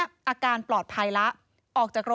อาการปลอดภัยแล้วออกจากรถ